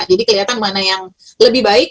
jadi kelihatan mana yang lebih baik